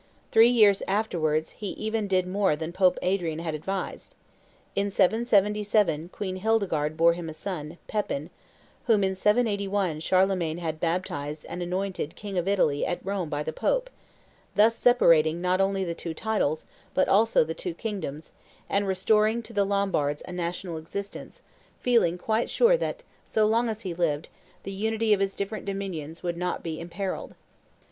Three years afterwards he even did more than Pope Adrian had advised. In 777 Queen Hildegarde bore him a son, Pepin, whom in 781 Charlemagne had baptized and anointed king of Italy at Rome by the Pope, thus separating not only the two titles, but also the two kingdoms, and restoring to the Lombards a national existence, feeling quite sure that, so long as he lived, the unity of his different dominions would not be imperilled.